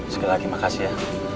sekali lagi makasih ya